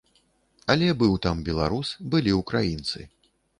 Але быў там беларус, былі ўкраінцы.